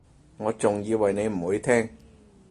我仲以為你唔會聽